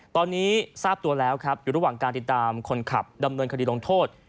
ตอนนี้ทราบตัวแล้วครับอยู่ระหว่างการติดตามคนขับดำเนินคดีลงโทษ